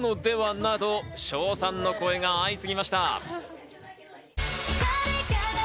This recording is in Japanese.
など称賛の声が相次ぎました。